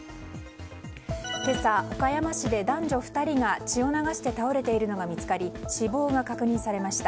今朝、岡山市で男女２人が血を流して倒れているのが見つかり死亡が確認されました。